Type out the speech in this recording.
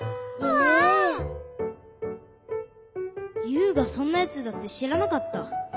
ユウがそんなやつだってしらなかった。